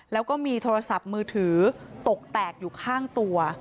แล้วก็มีโทรศัพท์มือถือตกแตกอยู่ข้างตัว